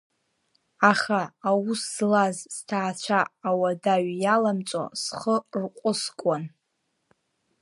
Аха, аус злаз, сҭаацәа ауадаҩ иаламҵо схы рҟәыскуан.